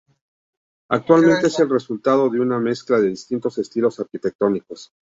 Actualmente es el resultado de una mezcla de distintos estilos arquitectónicos.